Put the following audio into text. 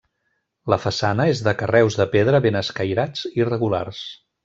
La façana és de carreus de pedra ben escairats i regulars.